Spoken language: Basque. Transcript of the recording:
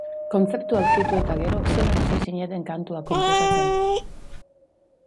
Kontzeptua aurkitu eta gero, zelan hasi zineten kantuak konposatzen?